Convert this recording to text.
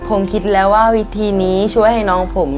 ผมคิดแล้วว่าวิธีนี้ช่วยให้น้องผม